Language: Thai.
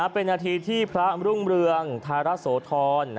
เป็นนาทีที่พระรุ่งเรืองธารโสธร